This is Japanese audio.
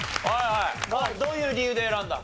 どういう理由で選んだの？